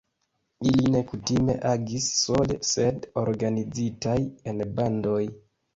Ili ne kutime agis sole, sed organizitaj en bandoj.